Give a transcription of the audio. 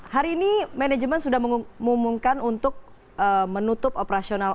hari ini manajemen sudah mengumumkan untuk menutup operasional